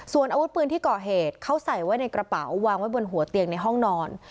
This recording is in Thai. ส่วนอาวุธปืนที่ก่อเหตุเขาใส่ไว้ในกระเป๋าวางไว้บนหัวเตียงในห้องนอน